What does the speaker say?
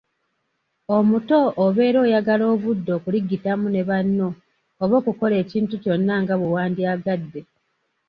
Omuto obeera oyagala obudde okuligitamu ne banno oba okukola ekintu kyonna nga bwe wandyagadde.